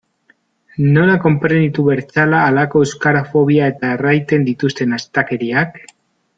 Nola konprenitu bertzela halako euskarafobia eta erraiten dituzten astakeriak?